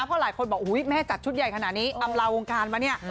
เพราะหลายคนบอกแม่จัดชุดใหญ่ขนาดนี้อำลาวงการมาเนี่ย